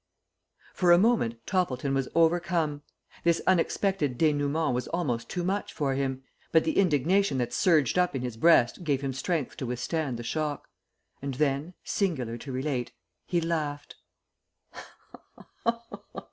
For a moment Toppleton was overcome. This unexpected denouement was almost too much for him, but the indignation that surged up in his breast gave him strength to withstand the shock; and then, singular to relate, he laughed.